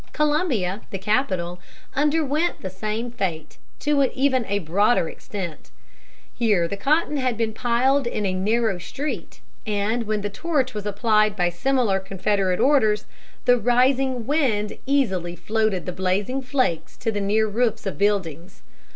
Columbia, the capital, underwent the same fate, to even a broader extent. Here the cotton had been piled in a narrow street, and when the torch was applied by similar Confederate orders, the rising wind easily floated the blazing flakes to the near roofs of buildings.